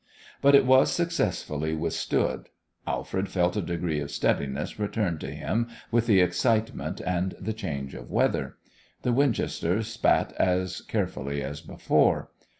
But it was successfully withstood. Alfred felt a degree of steadiness return to him with the excitement and the change of weather. The Winchester spat as carefully as before.